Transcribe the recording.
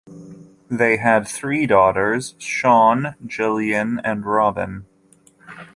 They had three daughters, Shawn, Gillian and Robyn.